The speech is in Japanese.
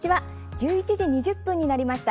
１１時２０分になりました。